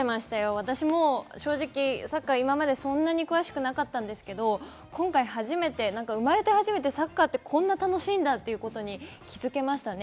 私も正直サッカー今までそんなに詳しくなかったんですけど、今回初めて、生まれて初めてサッカーってこんなに楽しいんだってことに気づけました。